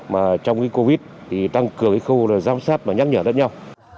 mà trong covid thì tăng cường khu giám sát và nhắc nhở lẫn nhau